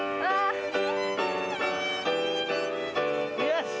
よし！